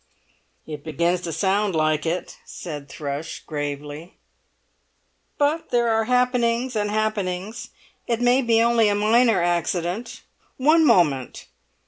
"It begins to sound like it," said Thrush gravely. "But there are happenings and happenings; it may be only a minor accident. One moment!"